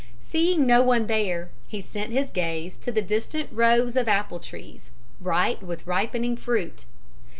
Seeing no one there, he sent his gaze to the distant rows of apple trees, bright with ripening fruit.